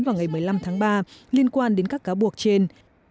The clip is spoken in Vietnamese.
vào ngày một mươi năm tháng ba liên quan đến các cáo buộc trên